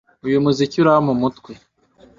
Uyu muziki urampa umutwe.